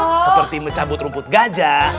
dia mencabut seperti mecah putram put gajah